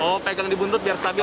oh pegang dibuntut biar stabil ya